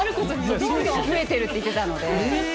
どんどん増えてるって言ってたので。